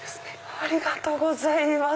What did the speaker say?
ありがとうございます。